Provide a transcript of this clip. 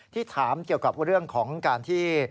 ถามเกี่ยวกับเรื่องของการที่